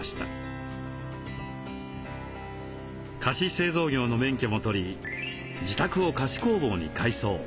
菓子製造業の免許も取り自宅を菓子工房に改装。